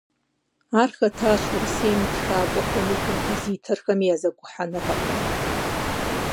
Ар хэтащ Урысейм и Тхакӏуэхэми Композиторхэми я зэгухьэныгъэхэм.